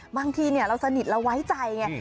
บางทีเราสนิทเราไว้ใจไง